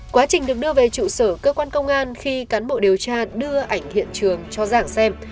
quá trình được đưa về trụ sở cơ quan công an khi cán bộ điều tra đưa ảnh hiện trường cho giảng xem